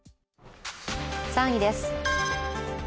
３位です。